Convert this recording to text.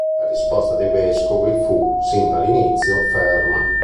La risposta dei vescovi fu, sin dall'inizio, ferma.